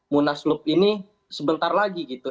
munaslup ini sebentar lagi gitu